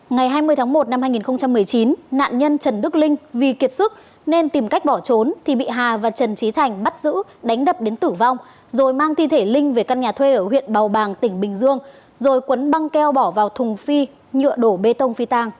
ngày hai mươi tháng một năm hai nghìn một mươi chín nạn nhân trần đức linh vì kiệt sức nên tìm cách bỏ trốn thì bị hà và trần trí thành bắt giữ đánh đập đến tử vong rồi mang thi thể linh về căn nhà thuê ở huyện bào bàng tỉnh bình dương rồi quấn băng keo bỏ vào thùng phi nhựa đổ bê tông phi tang